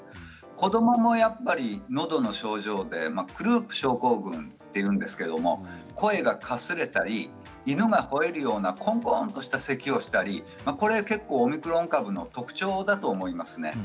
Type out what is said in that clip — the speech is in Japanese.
子どもも、やはりのどの症状でクループ症候群というんですけれども声がかすれたり犬がほえるようなコンコンとしたせきをしたりこれはオミクロン株の特徴だと思いますね。